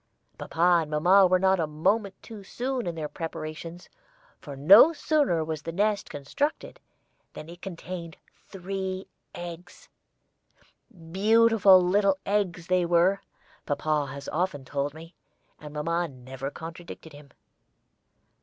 Papa and mamma were not a moment too soon in their preparations, for no sooner was the nest constructed than it contained three eggs. Beautiful little eggs they were, papa has often told me, and mamma never contradicted him.